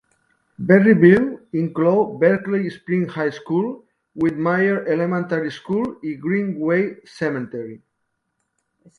Berryville inclou Berkeley Springs High School, Widmyer Elementary School i Greenway Cemetery.